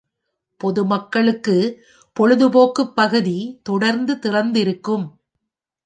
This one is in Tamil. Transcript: பொதுமக்களுக்கு பொழுதுபோக்கு பகுதி தொடர்ந்து திறந்திருக்கும்.